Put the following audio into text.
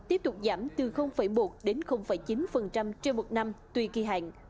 tiếp tục giảm từ một đến chín trên một năm tùy kỳ hạn